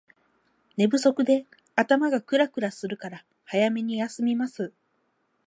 寝不足で頭がクラクラするから早めに休みます